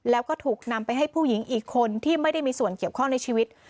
แล้วก็ถูกนำไปให้ผู้หญิงอีกคนที่ไม่ได้มีส่วนเกี่ยวข้องในชีวิต